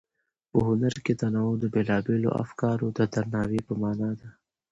په هنر کې تنوع د بېلابېلو افکارو د درناوي په مانا ده.